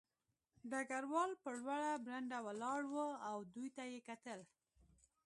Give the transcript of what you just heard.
ډګروال په لوړه برنډه ولاړ و او دوی ته یې کتل